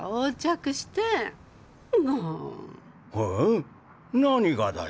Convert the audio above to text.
何がだよ。